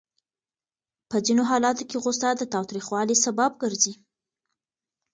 په ځینو حالتونو کې غوسه د تاوتریخوالي سبب ګرځي.